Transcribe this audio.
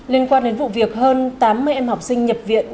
liên quan đến vụ việc hơn tám mươi em học sinh nhập viện